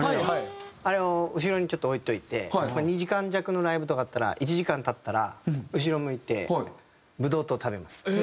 あれを後ろにちょっと置いといて２時間弱のライブとかだったら１時間経ったら後ろ向いてブドウ糖を食べます。